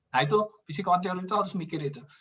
nah itu fisikawan teori itu harus mikir itu